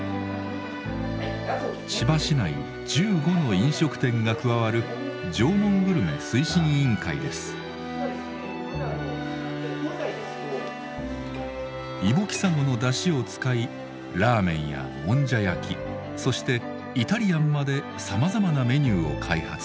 千葉市内１５の飲食店が加わるイボキサゴの出汁を使いラーメンやもんじゃ焼きそしてイタリアンまでさまざまなメニューを開発。